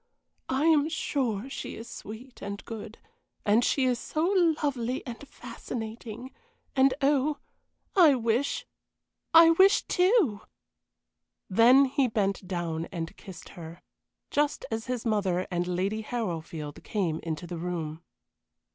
"I am sure she is sweet and good; and she is so lovely and fascinating and oh, I wish I wish too!" Then he bent down and kissed her, just as his mother and Lady Harrowfield came into the room.